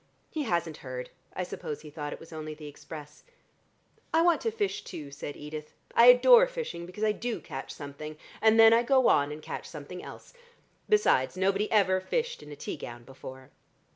He hasn't heard: I suppose he thought it was only the express." "I want to fish too," said Edith. "I adore fishing because I do catch something, and then I go on and catch something else. Besides nobody ever fished in a tea gown before."